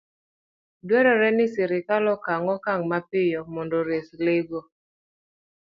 Dwarore ni sirkal okaw okang' mapiyo mondo ores le go